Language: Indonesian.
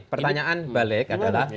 pertanyaan balik adalah